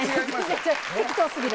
適当過ぎる。